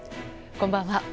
こんばんは。